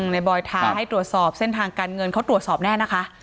บอยทาให้ตรวจสอบเส้นทางการเงินเขาตรวจสอบแน่นะคะ